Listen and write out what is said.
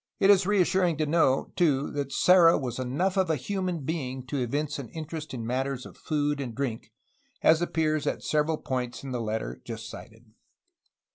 It|is reassuring to know, too, that Serra was enough of a human being to evince an interest in matters of food and drink, as appears at several points in the letter just cited.